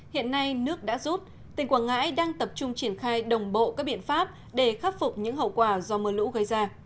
hiện nay nước đã rút tỉnh quảng ngãi đang tập trung triển khai đồng bộ các biện pháp để khắc phục những hậu quả do mưa lũ gây ra